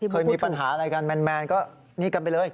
เคยมีปัญหาอะไรกันแมนก็นี่กันไปเลย